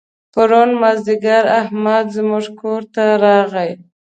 پرون مازدیګر احمد زموږ کور ته راغی.